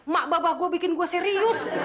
mak babah gua bikin gua serius